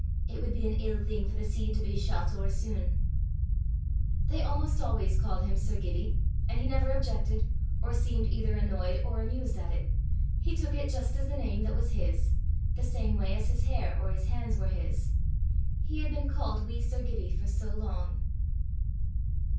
It wad be an ill thing for the seed to be shal't ower sune." They almost always called him Sir Gibbie, and he never objected, or seemed either annoyed or amused at it; he took it just as the name that was his, the same way as his hair or his hands were his; he had been called wee Sir Gibbie for so long.